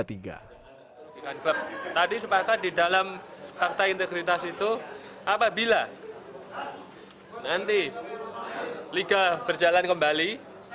tadi sepakat di dalam fakta integritas itu apabila nanti liga berjalan kembali